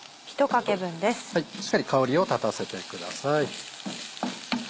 しっかり香りを立たせてください。